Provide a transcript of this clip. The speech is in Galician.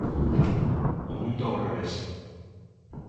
O mundo ao revés!